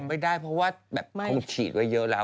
โปรกไม่ได้เพราะว่าเขาฉีดไว้เยอะแล้ว